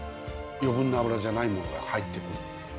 余分な脂じゃないものが入ってくる。